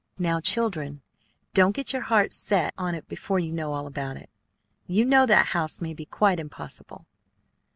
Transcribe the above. "Now, children, don't get your heart set on it before you know all about it. You know that house may be quite impossible."